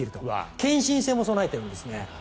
献身性も備えているんですね。